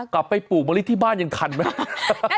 ปลูกมะลิที่บ้านยังทันไหม